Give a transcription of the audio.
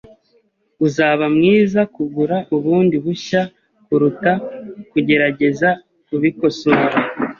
Uzaba mwiza kugura bundi bushya kuruta kugerageza kubikosora.